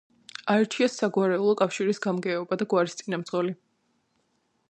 აირჩიეს საგვარეულო კავშირის გამგეობა და გვარის წინამძღოლი.